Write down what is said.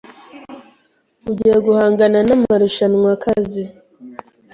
Ugiye guhangana n'amarushanwa akaze.